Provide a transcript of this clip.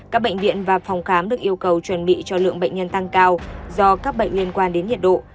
các bệnh viện và phòng khám được yêu cầu chuẩn bị cho lượng bệnh nhân tăng cao do các bệnh liên quan đến nhiệt độ